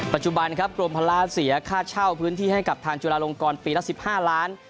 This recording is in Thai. ปัจจุบันครับกรมภาระเสียค่าเช่าพื้นที่ให้กับทางจุฬาลงกรปีละ๑๕ล้าน